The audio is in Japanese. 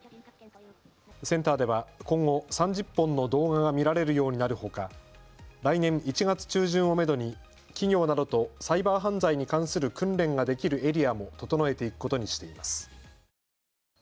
センターでは今後３０本の動画が見られるようになるほか、来年１月中旬をめどに企業などとサイバー犯罪に関する訓練ができるエリアも整えていくことにしています。